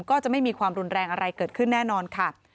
ก็จะไม่มีความรุนแรงอะไรเกิดขึ้นแน่นอนค่ะ